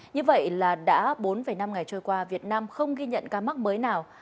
như vậy là đã bốn năm ngày trôi qua việt nam không ghi nhận ca mắc mới nào